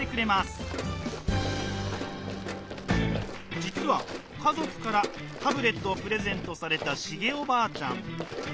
実は家族からタブレットをプレゼントされたシゲおばあちゃん。